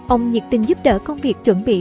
ông nhiệt tình giúp đỡ công việc chuẩn bị